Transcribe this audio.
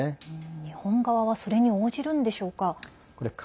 日本側はそれに応じるんでしょうか？